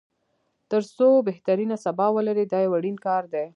تر څو بهترینه سبا ولري دا یو اړین کار دی.